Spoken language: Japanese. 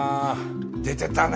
出てたね！